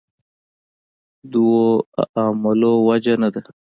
دوو عاملو وجه نه ده.